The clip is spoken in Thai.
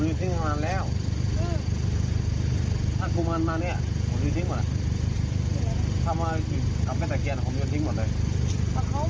แต่ที่ตลกหลวงกันทำไมแล้วแล้วพี่พี่ยืนทิ้งทำไมอ่ะผมยืนทิ้ง